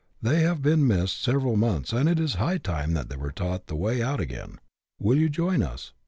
They have been missed several months, and it is high time that they were taught the way out again. Will you join us